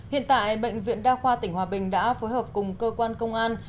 hiện tại bệnh viện đa khoa tỉnh hòa bình đã phối hợp cùng cơ quan công an